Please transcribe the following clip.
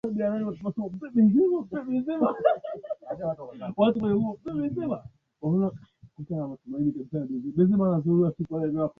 kwani ni mtalaka wa ndoa saba kwani ameachika mara saba